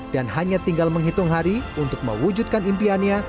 dan hanya tinggal menghitung hari untuk mewujudkan impiannya